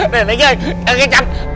neneknya kakek canggul